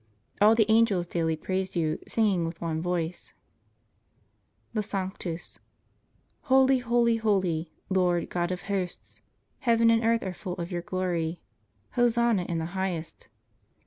All the angels daily praise You, singing with one voice: *THE SANCTUS Holy, holy, holy Lord, God of hosts. Heaven and earth are full of Your glory. Hosanna in the highest.